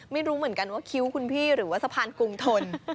ไม่รู้เหมือนกันว่าคิ้วคุณพี่หรือว่าสะพานกรุงทน